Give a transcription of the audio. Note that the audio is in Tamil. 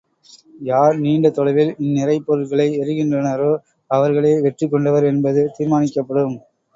யார் நீண்ட தொலைவில் இந்நிறைப் பொருள்களை எறிகின்றனரோ அவர்களே வெற்றி கொண்டவர் என்பது தீர்மானிக்கப்படும்.